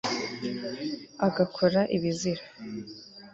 agakora ibizira